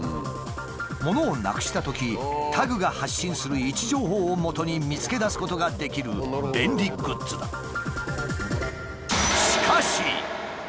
物をなくしたときタグが発信する位置情報をもとに見つけ出すことができる便利グッズだ。